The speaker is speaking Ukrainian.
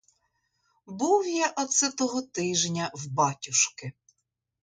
Був я оце того тижня в батюшки.